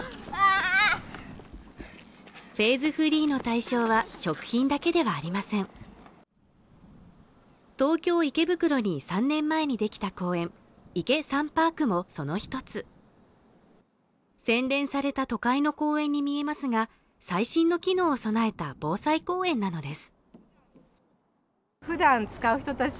フェーズフリーの対象は食品だけではありません東京・池袋に３年前に出来た公園ＩＫＥ・ＳＵＮＰＡＲＫもその一つ洗練された都会の公園に見えますが最新の機能を備えた防災公園なのです